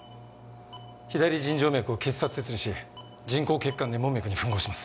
左腎静脈を結紮切離し人工血管で門脈に吻合します。